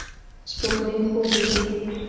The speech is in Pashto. سپوږمۍ خوب لیدې